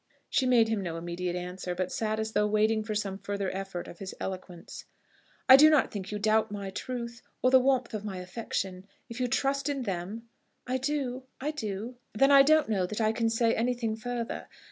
She made him no immediate answer, but sat as though waiting for some further effort of his eloquence. "I do not think you doubt my truth, or the warmth of my affection. If you trust in them " "I do; I do." "Then I don't know that I can say anything further.